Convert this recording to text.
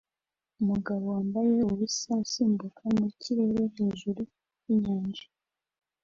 Umugabo wambaye ubusa usimbuka mu kirere hejuru yinyanja